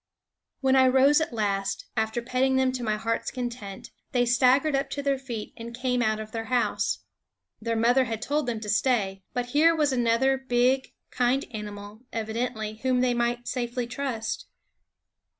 When I rose at last, after petting them to my heart's content, they staggered up to their feet and came out of their house. Their mother had told them to stay; but here was another big, kind animal, evidently, whom they might safely trust.